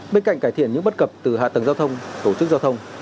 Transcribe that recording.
bên cạnh cải thiện những bất cập từ hạ tầng giao thông tổ chức giao thông